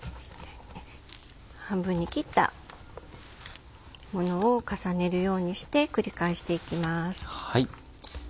半分に切ったものを重ねるようにして繰り返していきます。